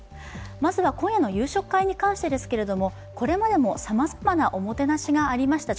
まずは今夜の夕食会に関してですけどもこれまでもさまざまなおもてなしがありました。